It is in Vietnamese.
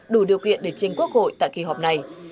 đủ điều kiện để trình quốc hội tại kỳ họp này